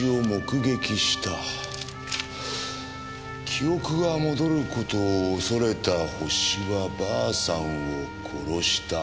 記憶が戻る事を恐れたホシはばあさんを殺した。